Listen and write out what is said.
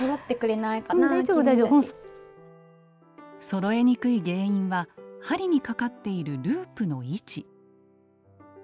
そろえにくい原因は針にかかっているループの位置。